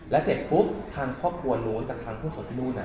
แล้วเสร็จปุ๊บทางครอบครัวนู้นจากทางผู้ส่งที่นู่น